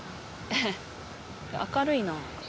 明るいな。